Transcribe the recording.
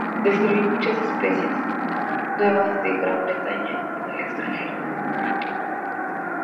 Describió muchas especies nuevas, de Gran Bretaña y del extranjero.